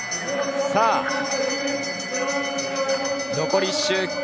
さあ、残り１周。